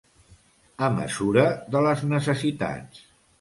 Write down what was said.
A mesura de les necessitats.